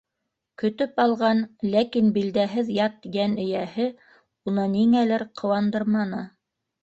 Көтөп алған, ләкин билдәһеҙ ят йән эйәһе уны, ниңәлер, ҡыуандырманы.